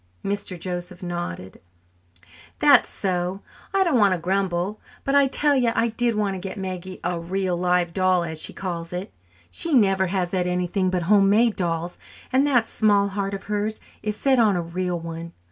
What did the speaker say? Mr. Joseph nodded. "That's so. I don't want to grumble; but I tell you I did want to get Maggie a 'real live doll,' as she calls it. She never has had anything but homemade dolls, and that small heart of hers is set on a real one.